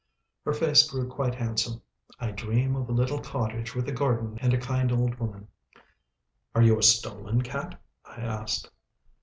Her face grew quite handsome. "I dream of a little cottage with a garden and a kind old woman." "Are you a stolen cat?" I asked.